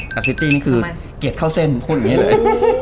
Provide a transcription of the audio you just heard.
ซิตี้นี่คือเกียรติเข้าเส้นพูดอย่างนี้เลย